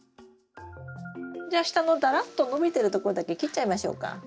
じゃあ下のダラッと伸びてるとこだけ切っちゃいましょうか。